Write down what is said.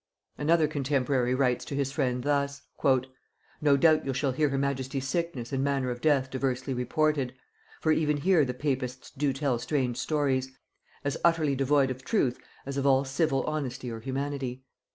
Another contemporary writes to his friend thus.... "No doubt you shall hear her majesty's sickness and manner of death diversly reported; for even here the papists do tell strange stories, as utterly void of truth as of all civil honesty or humanity....